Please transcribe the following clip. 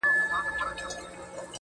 نوره خندا نه کړم زړگيه، ستا خبر نه راځي~